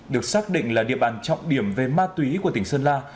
được xác định là địa bàn trọng điểm về ma túy của tỉnh sơn la